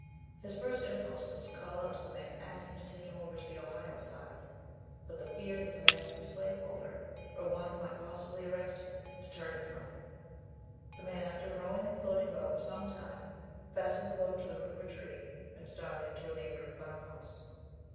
His first impulse was to call out to the man and ask him to take him over to the Ohio side, but the fear that the man was a slaveholder, or one who might possibly arrest him, deterred him from it. The man after rowing and floating about for some time fastened the boat to the root of a tree, and started to a neighbouring farmhouse.